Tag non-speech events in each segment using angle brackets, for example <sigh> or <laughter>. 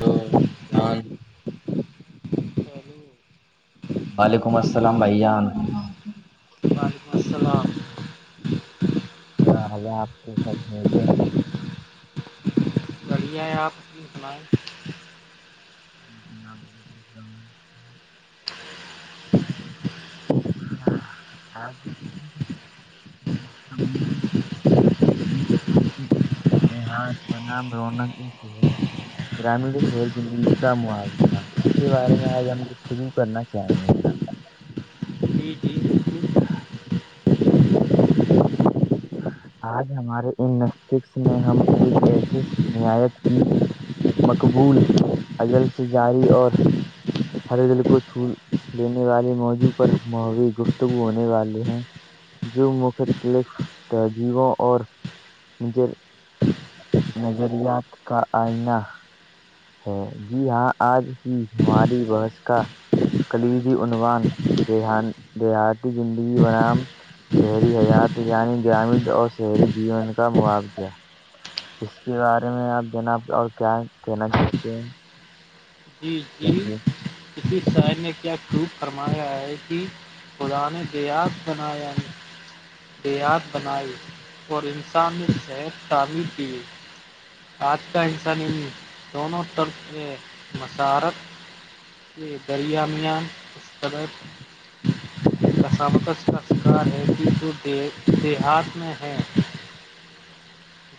تو جان وعلیکم وعلیکم السلام بھان ال کیا حال آپ کے سب ملے ب ہے آپ سنائیں ج جنا بالکل س ہے ہاں انیس سو کی ااد ب نام رونق شہر گرامین تو شر کی انکام ہوا کینا اس کے بارے میں آج ہم گفتگو کرنا چاہیں گے جناب بی ج ہاں آج ہمارے ان نستشک نے ہم ایک ایسی نعیت کی مقبول اجل سے جاری اور ہر دل کو چھو لینے والے موضوع پر موی گفتگو ہونے والے ہیں جو مختلف تہذیبوں اور مھے نظریات کا آئینہ ہے جی ہاں آج ہی ہماری بحس کا کلی کی عنوان دان دیہاتی زندگی ورام شہری حیات یعنی گرامین اور شہری جیون کا معاوضہ اس کے بارے میں آپ جنا اور کیا کہنا چاہتے ہیں جی جی کہیے کسی شہر نے کیا وپ فرمایا ہے کہ قر نے دیاس بنایا ہے دیہت بنائی اور انسانی نے صحت تعمیر کی آج کا انس نہیں سون ترپ کے مسارت یہ دریامان اس قرد یہ کسابقش کا شکار ہے کہ جو دیہات میں ہے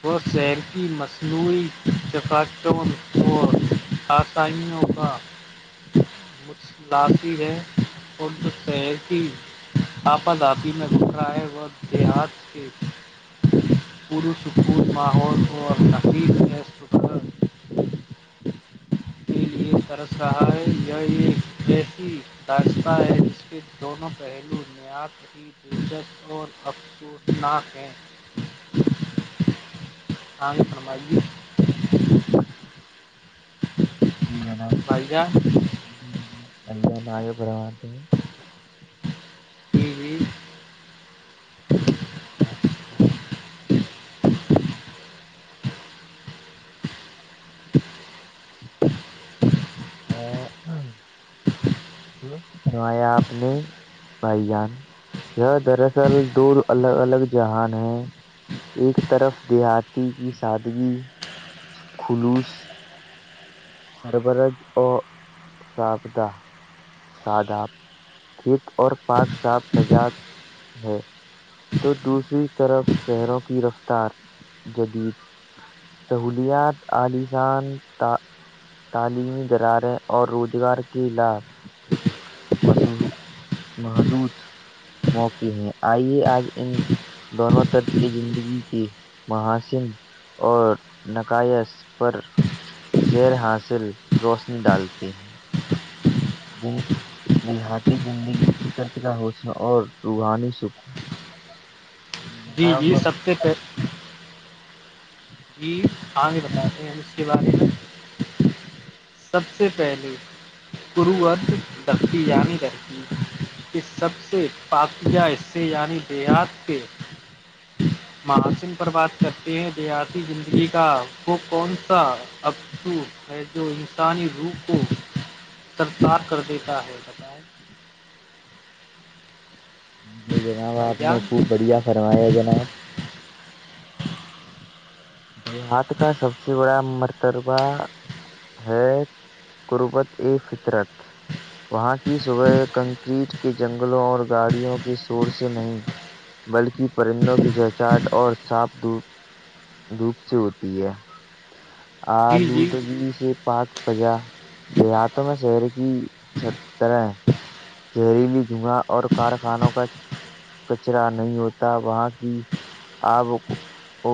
وہ شل کی مسئلہ نئی چفٹون کو حسنوا مھ لی ہے اورردہیر کی آپد آپی میں گزرئے وق دیہات کے پوسکون ماحول اور تقیق میں ست <inaudible> یہ طرس رہا ہے یہ ایک ایسی داشتا ہے جس کے دونوں پہسے پہلو نیاد ہی دلچسپ اور افسوسناک ہیں ہاں س لے ن ب بھائی جان بھیا ن ہے پروان جی جی آ <inaudible> آ دوست فوایا آپ نے بھائی جان یہ دراصل د الگ الگ جہان ہے ایک طرف دیہاتی کی سادگی خلوص سربرج اور سابدہ ساداب یک اور پاک صاف سجا ہے تو دوسری طرف شہروں کی رفتار جدید سہولیات عالیسان تا تعلیمی درارے اور روزگار کے لھ م محدود موقع ہیں آئیے آج ان دونوں طرج زندگی کے محاسن اور نقائ اس پر شیر ہاصل روشنی ڈالتی ہے ج دیہاتی زندگی فطرت کا حوصلہ اور روحانی سکون جی جناب جی سب سے پہ جی ہگے بتاتے ہیں اس کے بارے میں سب سے پہلے قود درتیی عنی درکی اس سب سے پاتیہ حصے یعنی دیہات کے مسن پر بات کرتے ہیں دیہاتی زندگی کا وہ کون سا ابسو ہے جو انسانی روح کو سرکار کر دیتا ہے بل کرب ہے بالکل جناب آپ نے خوب بڑھیا فرمایا جناب آات کا سبزی گ مر ربا ہے قربت ای فطرت وہاں کی صبح کنکریٹ کے جنگلوں اور گاڑیوں کے شور سے نہیں بلکہ پرندوں کی جہچاہٹ اور ساپ دپ روپ سے ہوتی ہے جی جی آلودب سے پاک فضا دیہاتوں میں شہر کی سترح ہے زہریلی جگا اور کارخانوں کا کچرا نہیں ہوتا وہاں کی آب ا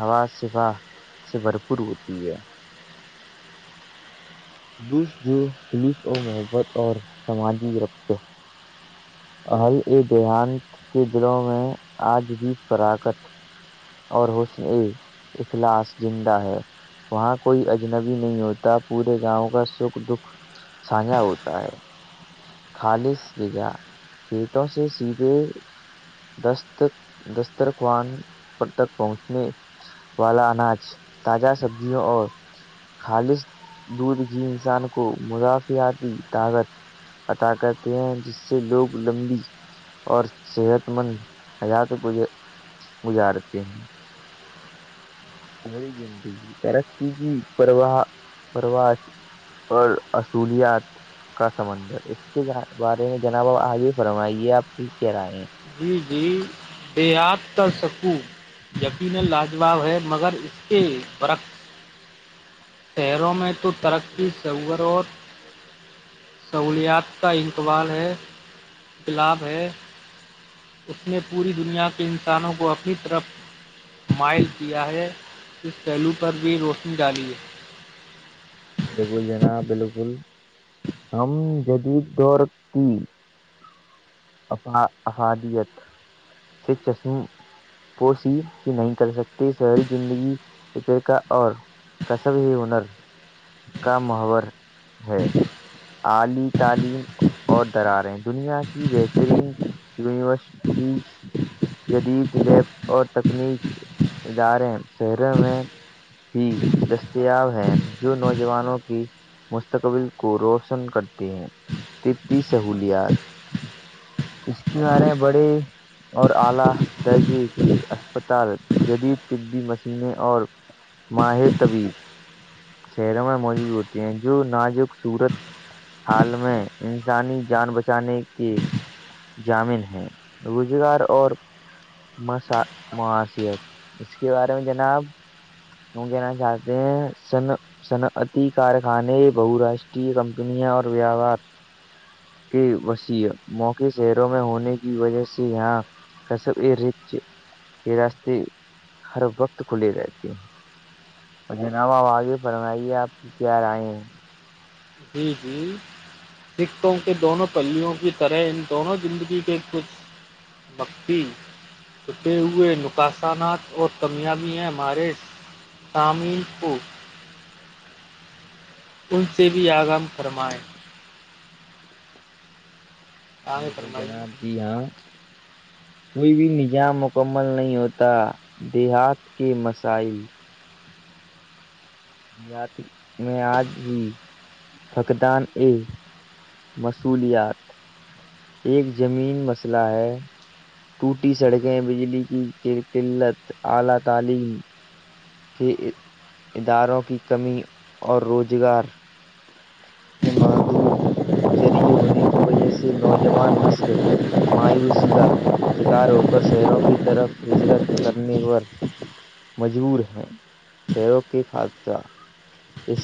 ہوا شفا سے بھرپور ہوتی ہے خلوس جو خلوس و محبت اور سماجی ربطہ ال ا دیہانت کے دلوں میں آج بھی فرااکت اور حس نے اخلاص زندہ ہے وہاں کوئی اجنبی نہیں ہوتا پورے گاؤں کا سکھ دکھ سانجا ہوتا ہے خالص لیجا یہ تو سے شیت دست دسترخوان تک پہنچنے والا اناج تازہ سبزیوں اور خالص دودھ گھی انسان کو مضافیاتیی طاقت پتا کرتے ہیں جس سے لوگ لمبی اور صحت مند حیات کو یہ گزارتے ہیں سری زگی ترقی کی پرواہ پرواہ اور اصولیات <unintelligible> کا سمنندر اس کے بارے میں جناب آب آگے فرمائیے آپ کی کہہ رہے ہیں جی جی بےیاد کر سکوں یقینا لاجواب ہے مگر اس کے درقت شہروں میں تو ترقی سور اور سہولیات کا انقبال ہےقلاب ہے اس نے پوری دنیا کے انسانوں کو اپنی طرف مائل کیا ہے اس پہلو پر بھی روشنی ڈالی ہے بالکل جناب بالکل ہم جدید دور کی ا افادیت سے چشم <unintelligible> وہ س ہی نہیں کر سکتے شہری زندگی فتر کا اور کا سب ہی ہنر کا محور ہے اعلی تعلیم اور دراریں دنیا کی تن یونیورسٹی جدید لیبس اور تکنیکی ادارے شہروں میں ہی دستیاب ہیں جو نوجوانوں کی مستقبل کو روشن کرتے ہیں تتی سہولیات اس کی بارے بڑے اور اعلی درجے کی اسپتال جدید طبی مشینیں اور ماہر طبیل <unintelligible> شہروں میں موجود ہوتے ہیں جو ناجک سورت حال میں انسانی جان بچانے کی جامل ہیں روزگار اور م معواشت اس کے بارے میں جناب کیوں کہنا چاہتے ہیں ن صنعتی کارخانے بہوراشٹری کمپنیاں اور ووہار کے وسیع موقع شہروں میں ہونے کی وجہ سے یہاں سب یہ ر یہ راستے ہر وقت کھلیے رہتے ہیں ن بؤ آگے فرمائیے آپ کی کیا رائے ہیں <unintelligible> جی ہی سکتوں کے دونوں پلیوں کی طرح ان دونوں زندگی کے کچھ بقی <unintelligible> چھٹے ہوئے نقاصانات اور کمیابی ہیں ہمارے تاملپور <unintelligible> ان سے بھی آغام فرمائیں آگے بالکل فرمائیے جناب جی ہاں <inaudible> کوئی بھی نظام مکمل نہیں ہوتا دیہات کے مسائل دیہات میں آج ہی فقدان ا مصولیات ایک زمین مسئلہ ہے ٹوٹی سڑکیں بجلی کی قلت اعلی تعلیم کے اداروں کی کمی اور روزگار کے محدور ذریعے ہونے کی وجہ سے نوجوان نسل مایوسی کا شکار ہو کر شہروں کی طرف ہجرت کرنے پر مجبور ہیں شہروں کے خادجہ اس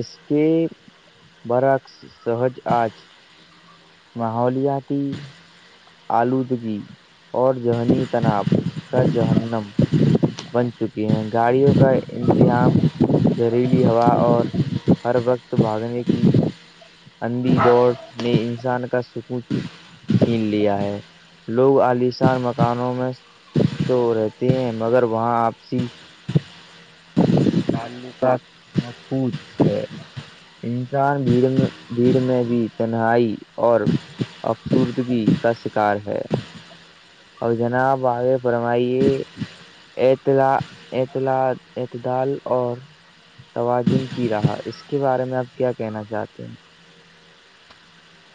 اس کی <unintelligible> برا سہج آج ماحولیاتی آلودگی اور ذہنی تناؤ کا جہنم بن چکی ہیں گاڑیوں کا امتحام زہریلی ہوا اور ہر وقت بھاگنے کی اندھی دوڑ نے انسان کا سکون چھین لیا ہے لوگ عالشان مکانوں میں تو رہتے ہیں مگر وہاں آپسی تعلقات مففوظ ہے انسان بھیڑ میں بھیڑ میں بھی تنہائی اور افسوردگی کا شکار ہے اور جانب آگے فرمائے اعطلا اعطلا اعتدال اور توجن کی رہا اس کے بارے میں آپ کیا کہنا چاہتے ہیں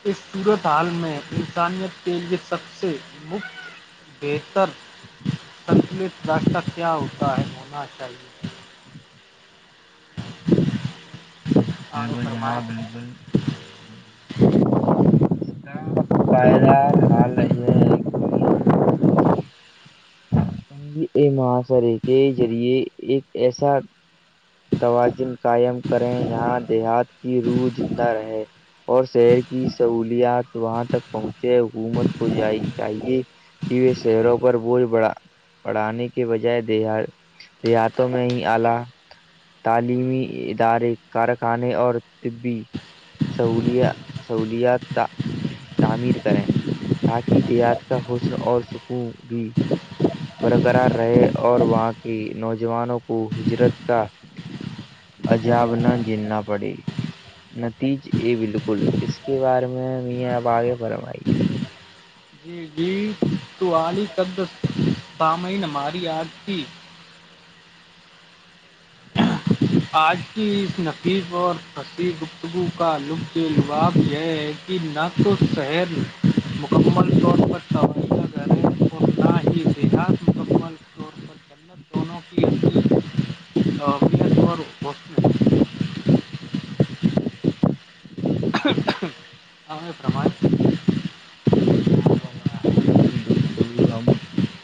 اس صورت حال میں انسانیت کے لیے سب سے مفت بہتر سنتلت راستہ کیا ہوتا ہے ہونا چاہیے آگے بالکل فرمائیں جناب بالکل اس کا پائیدار حال یہ ہے کہ ہم ا مہاشرے کے ذریعے ایک ایسا توازن قائم کریں یہاں دیہات کی روح زندہ رہے اور شہر کی سہولیات وہاں تک پہنچے حکومت کو ج چاہیے کہ شہروں پر بوجھ بڑا بڑھانے کے بجائے دیہ ریہتوں میں ہی اعلی تعلیمی ادارے کارخانے اور طبی سول سہولیات تعمیر کریں تاکہ دیات کا حسن اور سکون بھی برقرار رہے اور وہاں کی نوجوانوں کو ہجرت کا عجاب نہ جھیلنا پڑی نتیج ا بالکل اس کے بارے میں میا آپ آگے فرمائیے جی جی تو ای قد سامعین ہماری آگ تھی آج کی اس نفیس اور فسیح گفتگو کا لطف لباف یہ ہے کہ کہ نہ تو شہر مکمل طور پر تو مکمل طور پر جنت م اور وق <unintelligible> ہم یہ پرمات <unintelligible> ن بابا آج کی دوست ہم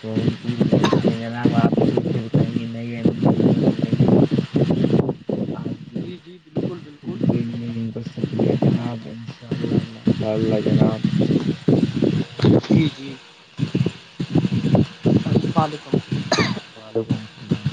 یہیں پوری کرتے جناب آپ کے پھر کہیں نئے انداز میں ملیں گے آج بھیی جی جی بالکل بالکل کر جناب انشاء اللہ ماشاء اللہ جناب جی جی پالکم <unintelligible> وعلیکم السلام